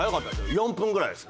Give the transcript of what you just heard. ４分ぐらいです。